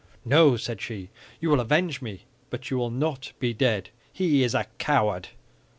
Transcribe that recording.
"No," said she, "you will avenge me; but you will not be dead. He is a coward."